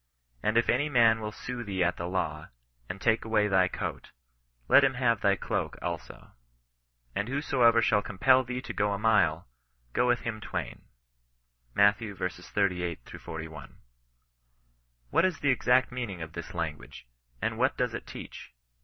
And if any man will sue thee at the law, and take away thy coat, let him have thy cloak also. And whosoever shall compel thee to go a mile, go with him twain." Matt. V. 38 — 41. What is the exact meaning of this language, and what does it teach